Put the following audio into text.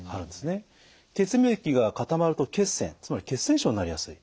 血液が固まると血栓つまり血栓症になりやすい。